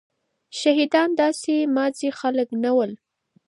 شهيدان داسي ماځي خلک نه ول.